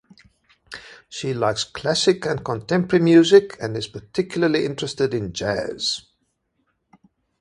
She likes classic and contemporary music and is particularly interested in jazz.